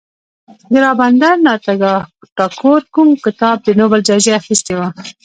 د رابندر ناته ټاګور کوم کتاب د نوبل جایزه اخیستې وه.